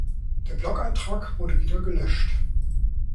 Der Blogeintrag wurde wieder gelöscht.